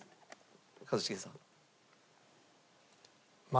一茂さん。